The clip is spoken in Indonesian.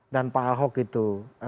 dan pak ahok itu